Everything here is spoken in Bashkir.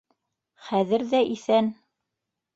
Хәҙер ҙә иҫән.